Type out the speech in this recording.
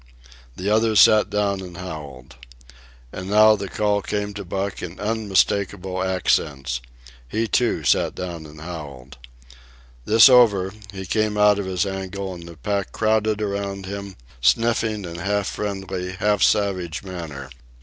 The others sat down and howled. And now the call came to Buck in unmistakable accents. He, too, sat down and howled. This over, he came out of his angle and the pack crowded around him, sniffing in half friendly, half savage manner.